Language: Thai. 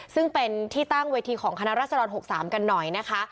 ซึ่งเป็นที่ตั้งเวทีของคณะรัศดร๖๓กันหน่อยนะคะ